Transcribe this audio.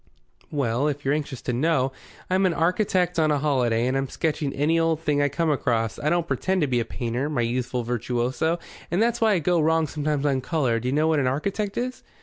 "Well, if you're anxious to know, I'm an architect on a holiday, and I'm sketching any old thing I come across. I don't pretend to be a painter, my youthful virtuoso, and that's why I go wrong sometimes on colour. Do you know what an architect is?"